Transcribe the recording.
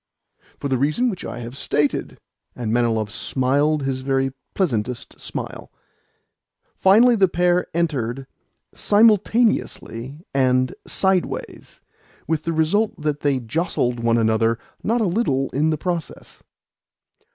"For the reason which I have stated." And Manilov smiled his very pleasantest smile. Finally the pair entered simultaneously and sideways; with the result that they jostled one another not a little in the process.